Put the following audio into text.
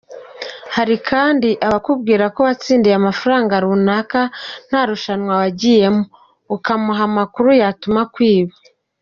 Hari kandi abakubwira ko watsindiye amafaranga runaka nta rushanwa wagiyemo, ukamuha amakuru yatuma akwiba’’.